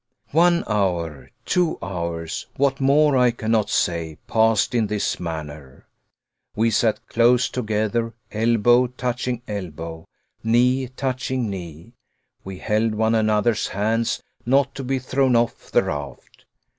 One hour, two hours what more I cannot say, passed in this manner. We sat close together, elbow touching elbow, knee touching knee! We held one another's hands not to be thrown off the raft.